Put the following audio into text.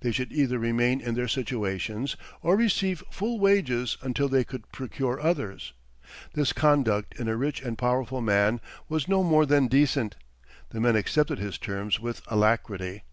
They should either remain in their situations, or receive full wages until they could procure others. This conduct in a rich and powerful man was no more than decent. The men accepted his terms with alacrity.